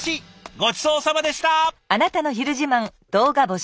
ごちそうさまでした！